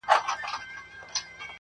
د خیالونو په نړۍ کې مې راحت یم